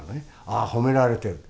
「ああ褒められてる」。